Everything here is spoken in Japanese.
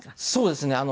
そうですね。